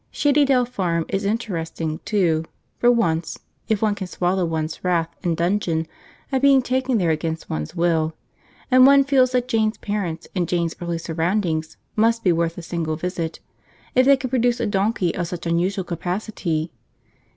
Shady Dell Farm is interesting, too, for once, if one can swallow one's wrath and dudgeon at being taken there against one's will; and one feels that Jane's parents and Jane's early surroundings must be worth a single visit, if they could produce a donkey of such unusual capacity.